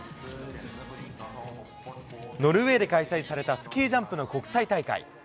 ノルウェーで開催されたスキージャンプの国際大会。